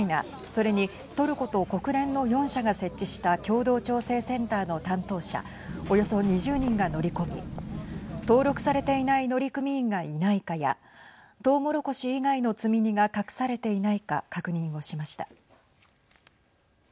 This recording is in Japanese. それに、トルコと国連の４者が設置した共同調整センターの担当者、およそ２０人が乗り込み登録されていない乗組員がいないかやトウモロコシ以外の積み荷が隠されていないか確認をしました。